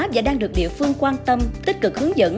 và đang được địa phương quan tâm tích cực hướng dẫn